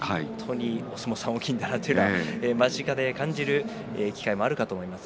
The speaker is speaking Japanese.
お相撲さんが大きいんだなということを間近で感じる機会もあるかと思います。